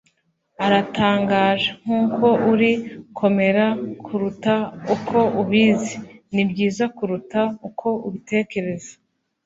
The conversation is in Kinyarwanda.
Uratangaje. Nkuko uri. Komera kuruta uko ubizi. Nibyiza kuruta uko ubitekereza.